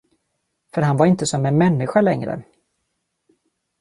För han var inte som en människa längre.